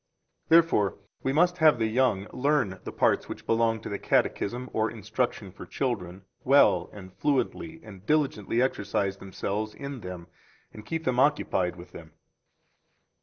3 Therefore we must have the young learn the parts which belong to the Catechism or instruction for children well and fluently and diligently exercise themselves in them and keep them occupied with them.